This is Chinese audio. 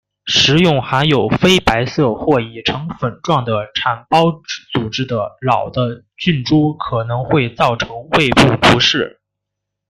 食用含有非白色或已成粉状的产孢组织的老的菌株可能会造成胃部不适。